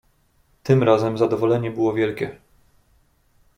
"Tym razem zadowolenie było wielkie."